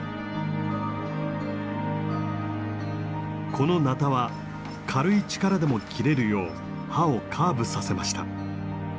このなたは軽い力でも切れるよう刃をカーブさせました。